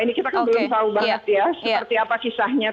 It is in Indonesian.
ini kita kan belum tahu banget ya seperti apa kisahnya